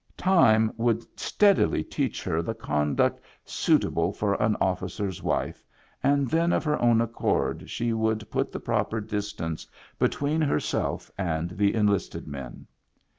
Time would steadily teach Digitized by Google IN THE BACK 105 her the conduct suitable for an officer's wife, and then of her own accord she would put the proper distance between herself and the enlisted men.